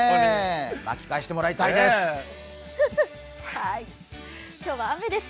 巻き返してもらいたいです。